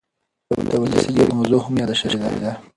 د ولسي جرګې موضوع هم یاده شوې ده.